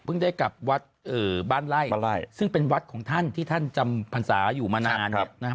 ได้กลับวัดบ้านไล่ซึ่งเป็นวัดของท่านที่ท่านจำพรรษาอยู่มานาน